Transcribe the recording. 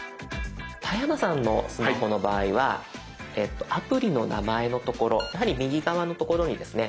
田山さんのスマホの場合はアプリの名前のところやはり右側のところにですね